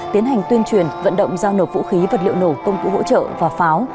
tiến hành tuyên truyền vận động giao nộp vũ khí vật liệu nổ công cụ hỗ trợ và pháo